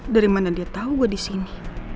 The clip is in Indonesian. dari mana dia tau gua disini